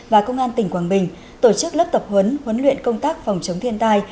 và công an tỉnh quảng bình tổ chức lớp tập huấn huấn luyện công tác phòng chống thiên tai